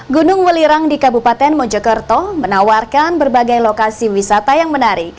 gunung welirang di kabupaten mojokerto menawarkan berbagai lokasi wisata yang menarik